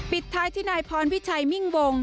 ปิดท้ายที่นายพรพิชัยมิ่งวง